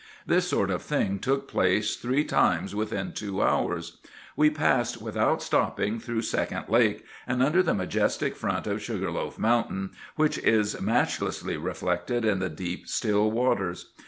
This sort of thing took place three times within two hours. We passed without stopping through Second Lake, and under the majestic front of Sugar Loaf Mountain, which is matchlessly reflected in the deep, still waters.